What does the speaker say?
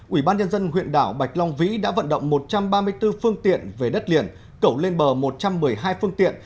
ubnd huyện đảo bạch long vĩ đã vận động một trăm ba mươi bốn phương tiện về đất liền cầu lên bờ một trăm một mươi hai phương tiện